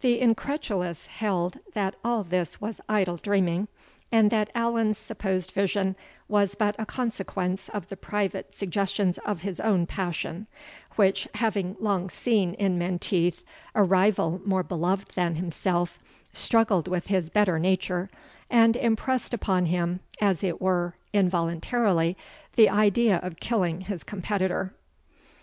The incredulous held, that all this was idle dreaming, and that Allan's supposed vision was but a consequence of the private suggestions of his own passion, which, having long seen in Menteith a rival more beloved than himself, struggled with his better nature, and impressed upon him, as it were involuntarily, the idea of killing his competitor.